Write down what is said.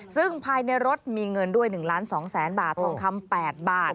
ซึ่งภายในรถมีเงินด้วย๑ล้าน๒แสนบาททองคำ๘บาท